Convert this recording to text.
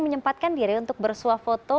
menyempatkan diri untuk bersuah foto